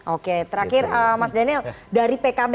oke terakhir mas daniel dari pkb